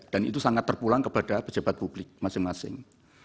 dan itu sangat terpulang kepada pejabat publik masing masing